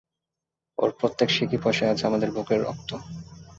ওর প্রত্যেক সিকি পয়সায় আছে আমাদের বুকের রক্ত।